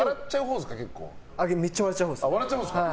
めっちゃ笑っちゃいます。